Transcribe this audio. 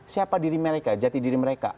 siapa diri mereka jati diri mereka